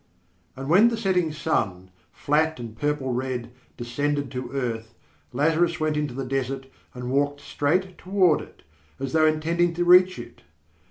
And when the setting sun, flat and purple red, descended to earth, Lazarus went into the desert and walked straight toward it, as though intending to reach it.